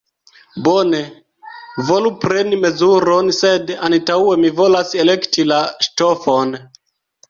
Bone, volu preni mezuron, sed antaŭe mi volas elekti la ŝtofon.